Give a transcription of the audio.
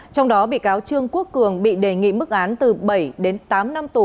trong đó bị cáo trương quốc cường bị đề nghị mức án từ bảy đến tám năm tù